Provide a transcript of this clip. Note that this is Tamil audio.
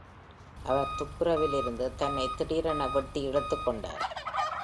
அவர் துப்புரவிலிருந்து தன்னை திடீரென வெட்டி இழுத்துக்கொண்டார்.